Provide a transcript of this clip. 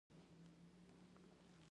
یاقوت یوه ډیره کلکه او قیمتي ډبره ده.